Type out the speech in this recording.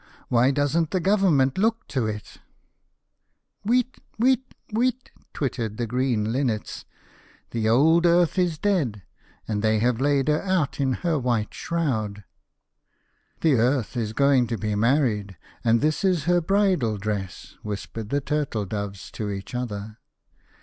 Why doesn't the Government look to it ?" "Weet! weet ! weet !" twittered the green Linnets, " the old Earth is dead, and they have laid her out in her white shroud." " The Earth is going to be married, and this is her bridal dress," whispered the Turtle doves to each other.